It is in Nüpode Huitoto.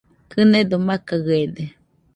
Kɨnedo makaɨede